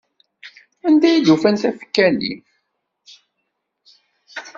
Anda i d-ufan tafekka-nni?